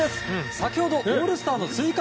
先ほど、オールスターの追加